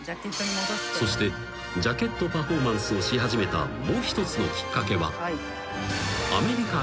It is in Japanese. ［そしてジャケットパフォーマンスをし始めたもう一つのきっかけは］